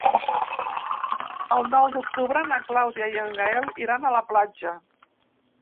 El nou d'octubre na Clàudia i en Gaël iran a la platja.